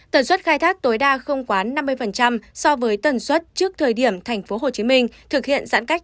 tần suất khai thác tối đa không quá năm mươi so với tần suất trước thời điểm tp hcm thực hiện giãn cách